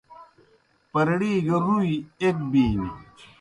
پرڑِی گہ رُوئی ایْک بینیْ۔